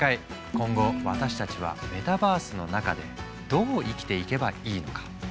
今後私たちはメタバースの中でどう生きていけばいいのか。